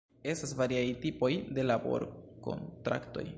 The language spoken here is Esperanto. Estas variaj tipoj de labor-kontraktoj.